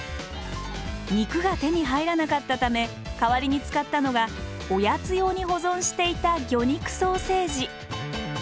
肉が手に入らなかったため代わりに使ったのがおやつ用に保存していた魚肉ソーセージ。